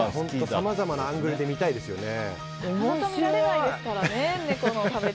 さまざまなアングルで見たいですよね。